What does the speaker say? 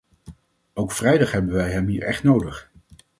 Op vrijdag hebben wij hem hier echt nodig.